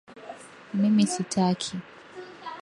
mimi sitaki